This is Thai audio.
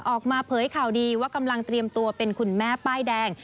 ออกมาเผยข่าวดีว่ากำลังเตรียมตัวเป็นคุณแม่ป้ายแดง